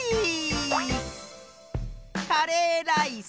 カレーライス！